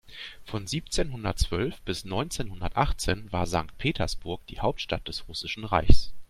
Von siebzehnhundertzwölf bis neunzehnhundertachtzehn war Sankt Petersburg die Hauptstadt des Russischen Reichs.